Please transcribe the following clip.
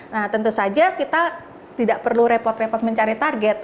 nah tentu saja kita tidak perlu repot repot mencari target